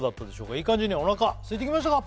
いい感じにお腹空いてきましたか？